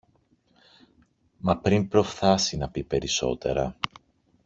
Μα πριν προφθάσει να πει περισσότερα